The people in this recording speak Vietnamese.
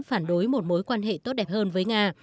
phản đối một mối quan hệ tốt đẹp hơn với nga